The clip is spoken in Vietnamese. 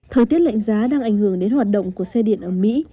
thời tiết lạnh giá đang ảnh hưởng đến hoạt động của xe điện ở mỹ